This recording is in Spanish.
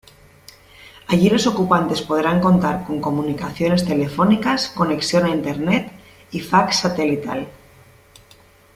Allí los ocupantes podrán contar con comunicaciones telefónicas, conexión a Internet y fax satelital.